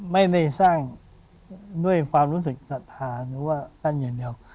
ไม่ได้สร้างด้วยความรู้สึกศรัทธาหรือว่าท่านอย่างเดียว